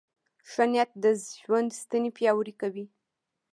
ښه نیت د ژوند ستنې پیاوړې کوي.